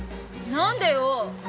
何でよ？